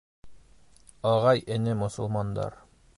— Ағай-эне, мосолмандар!